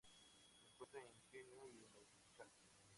Se encuentra en Kenia y en el Chad.